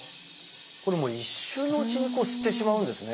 これもう一瞬のうちに吸ってしまうんですね。